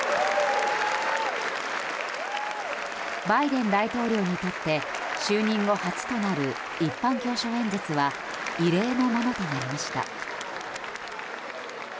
バイデン大統領にとって就任後、初となる一般教書演説は異例のものとなりました。